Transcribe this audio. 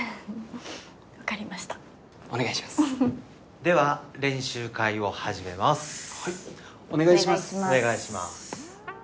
分かりましたお願いしますでは練習会を始めますお願いします